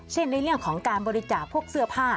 ในเรื่องของการบริจาคพวกเสื้อผ้า